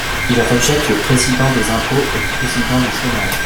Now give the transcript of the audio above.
Ils rejettent le Président des impôts et le Président du chômage.